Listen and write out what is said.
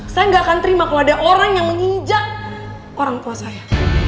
saya gak akan terima kalau ada orang yang menginjak orang tua saya